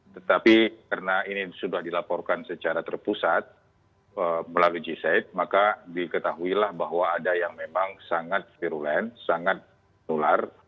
tetapi karena ini sudah dilaporkan secara terpusat melalui g site maka diketahui lah bahwa ada yang memang sangat virulen sangat nular